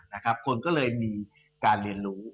นะครับคนก็เลยมีการเรียนรู้